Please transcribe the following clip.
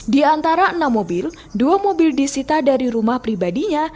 di antara enam mobil dua mobil disita dari rumah pribadinya